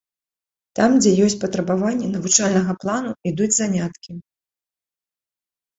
Там, дзе ёсць патрабаванні навучальнага плану, ідуць заняткі.